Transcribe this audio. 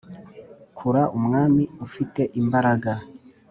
kura umwami ufite imbaraga.